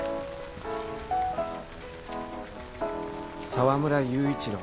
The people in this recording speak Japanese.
澤村雄一郎